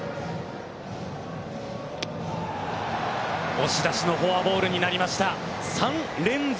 押し出しのフォアボールになりました。